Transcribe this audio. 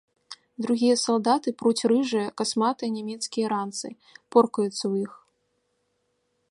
Другія салдаты пруць рыжыя, касматыя нямецкія ранцы, поркаюцца ў іх.